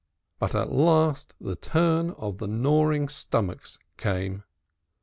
But at last the turn of the gnawing stomachs came.